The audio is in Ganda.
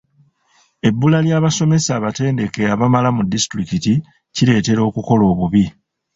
Ebbula ly'abasomesa abatendeke abamala mu disitulikiti kireetera okukola obubi.